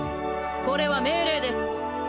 これは命令です。